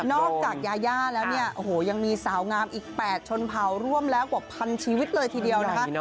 จากยาย่าแล้วเนี่ยโอ้โหยังมีสาวงามอีก๘ชนเผาร่วมแล้วกว่าพันชีวิตเลยทีเดียวนะคะ